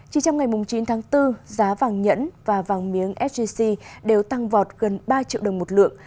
chỉ trong ngày chín tháng bốn giá vàng nhẫn và vàng miếng sgc đều tăng vọt gần ba triệu đồng một lượng